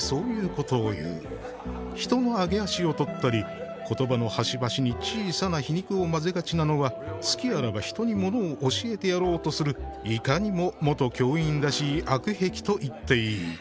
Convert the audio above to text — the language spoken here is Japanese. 人の揚げ足をとったり、言葉の端々に小さな皮肉を混ぜがちなのは、隙あらば人にものを教えてやろうとするいかにも元教員らしい悪癖といっていい」。